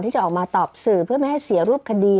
ที่จะออกมาตอบสื่อเพื่อไม่ให้เสียรูปคดี